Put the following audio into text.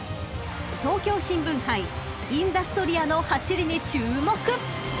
［東京新聞杯インダストリアの走りに注目！］